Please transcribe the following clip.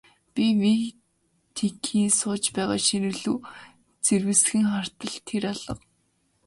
Би Витекийн сууж байгаа ширээ рүү зэрвэсхэн хартал тэр алга.